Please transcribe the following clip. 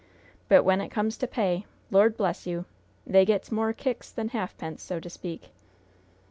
But when it comes to pay Lord bless you! they gets more kicks than halfpence, so to speak!"